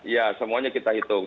ya semuanya kita hitung